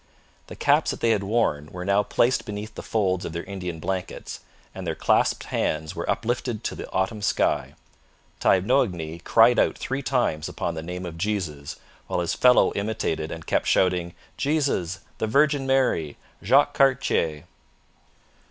The caps that they had worn were now placed beneath the folds of their Indian blankets, and their clasped hands were uplifted to the autumn sky. Taignoagny cried out three times upon the name of Jesus, while his fellow imitated and kept shouting, 'Jesus! the Virgin Mary! Jacques Cartier!'